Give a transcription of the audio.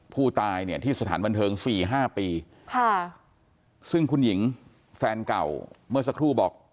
ผู้ตายเนี่ยที่สถานบันเทิง๔๕ปีค่ะซึ่งคุณหญิงแฟนเก่าเมื่อสักครู่บอก